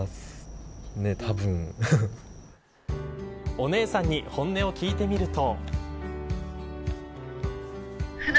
お姉さんに本音を聞いてみると。